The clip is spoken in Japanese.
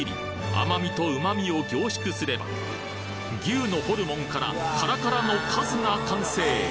甘みと旨味を凝縮すれば牛のホルモンからカラカラのかすが完成！